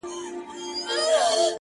هغه نن بيا د چا د ياد گاونډى.